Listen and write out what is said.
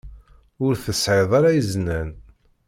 Ur tesɛiḍ ara iznan.